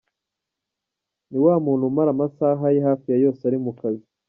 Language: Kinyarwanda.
Ni wa muntu umara amasaha ye hafi ya yose ari mu kazi.